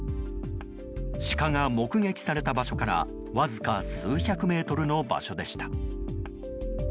シカが目撃された場所からわずか数百メートルの場所でした。